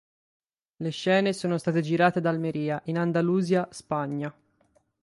Le scene sono state girate ad Almería, in Andalusia, Spagna.